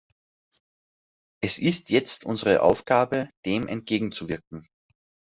Es ist jetzt unsere Aufgabe, dem entgegenzuwirken.